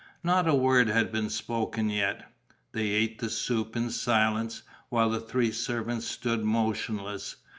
Not a word had been spoken yet. They ate the soup in silence, while the three servants stood motionless.